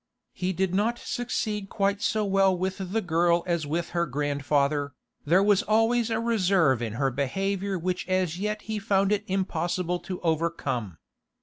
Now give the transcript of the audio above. He did not succeed quite so well with the girl as with her grandfather; there was always a reserve in her behaviour which as yet he found it impossible to overcome.